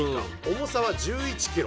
重さは１１キロ。